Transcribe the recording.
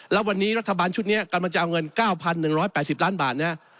แล้ววันนี้รัฐบาลชุดนี้กำลังจะเอาเงิน๙๑๘๐ล้านบาทนะครับ